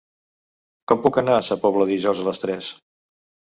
Com puc anar a Sa Pobla dijous a les tres?